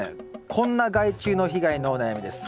こんな害虫の被害のお悩みです。